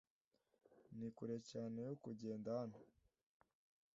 Ni kure cyane yo kugenda hano .